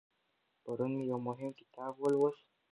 پرون مې یو مهم کتاب ولوست.